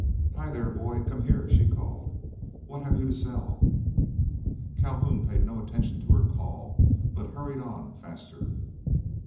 "Hi, there, boy! come here," she called. "What have you to sell?" Calhoun paid no attention to her call, but hurried on the faster.